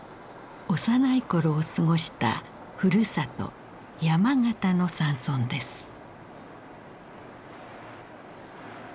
幼い頃を過ごしたふるさと山形の山村です。